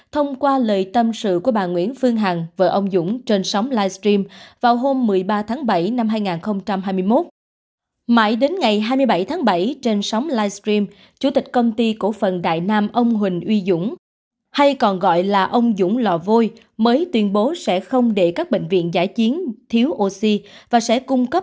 thông qua lời tâm sự của bà nguyễn phương hằng vợ ông dũng